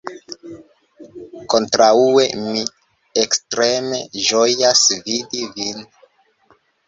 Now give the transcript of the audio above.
Kontraŭe, mi ekstreme ĝojas vidi vin.